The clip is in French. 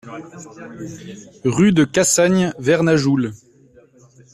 Rue de Cassagne, Vernajoul